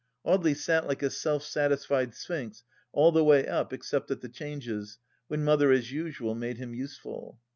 Audely sat like a self satisfied sphinx all the way up except at the changes, when Mother, as usual, made him useful.